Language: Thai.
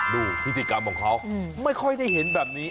ดูพิธีกรรมของเขาไม่ค่อยได้เห็นแบบนี้